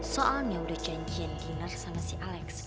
soalnya udah janjin dinner sama si alex